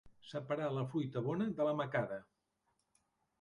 Separar la fruita bona de la macada.